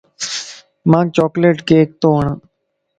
مانک چوڪليٽ ڪيڪ تو وڻ